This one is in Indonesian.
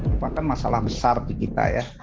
ini bukan masalah besar di kita ya